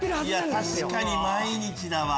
確かに毎日だわ。